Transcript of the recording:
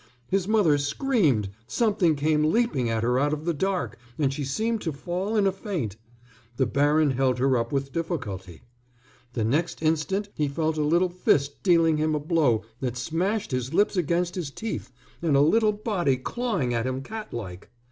His mother screamed; something came leaping at her out of the dark, and she seemed to fall in a faint. The baron held her up with difficulty. The next instant he felt a little fist dealing him a blow that smashed his lips against his teeth, and a little body clawing at him catlike.